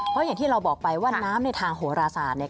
เพราะอย่างที่เราบอกไปว่าน้ำในทางโหราศาสตร์เนี่ย